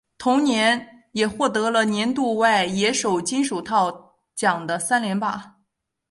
同年也获得了年度外野手金手套奖的三连霸。